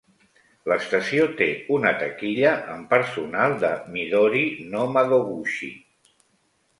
L'estació té una taquilla amb personal de "Midori no Madoguchi".